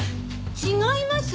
違います！